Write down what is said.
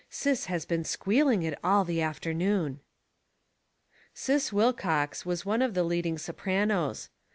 Sis has been squeal ing it all the afternoon." Sis Wilcox was one of the leading sopranos.